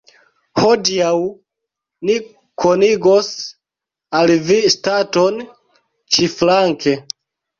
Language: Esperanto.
Hodiaŭ ni konigos al vi staton ĉiflanke.